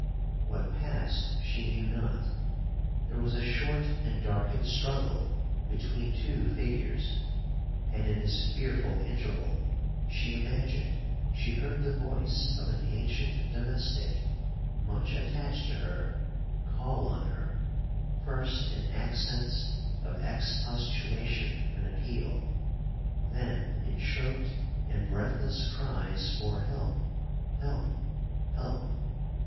What passed she knew not. There was a short and darkened struggle between two figures,—and, in this fearful interval, she imagined she heard the voice of an ancient domestic, much attached to her, call on her, first in accents of expostulation and appeal, then in choaked and breathless cries for help—help—help!